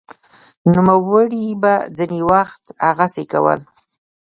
نوموړي به ځیني وخت هغسې کول